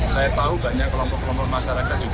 saya tahu banyak kelompok kelompok masyarakat juga